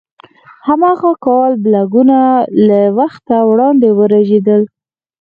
هماغه کال بلګونه له وخته وړاندې ورژېدل.